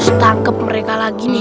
aku harus tangkep mereka lagi nih